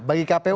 bagi kpu untuk